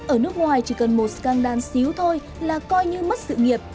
ở nước ngoài chỉ cần một scang đan xíu thôi là coi như mất sự nghiệp